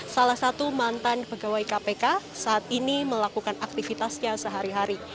salah satu mantan pegawai kpk saat ini melakukan aktivitasnya sehari hari